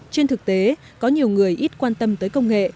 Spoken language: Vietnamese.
trên thực tế có nhiều người ít quan tâm tới công nghệ